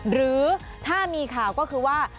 หรือถ้ามีข่าวก็คือว่า